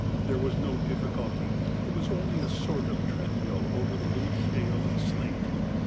There was no difficulty, it was only a sort of treadmill over the loose shale and slate.